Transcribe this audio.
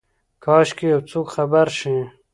کاشکي یوڅوک خبر شي،